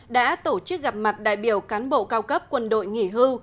đã tổ chức gặp mặt đại biểu cán bộ cao cấp quân đội nghỉ hưu